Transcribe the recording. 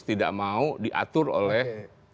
tidak mau diatur oleh